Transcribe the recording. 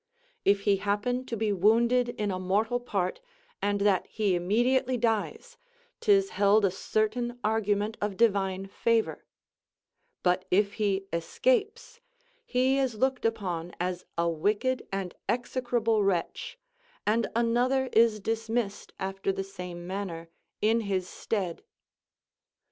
If he happen to be wounded in a mortal part, and that he immediately dies, 'tis held a certain argument of divine favour; but if he escapes, he is looked upon as a wicked and execrable wretch, and another is dismissed after the same manner in his stead.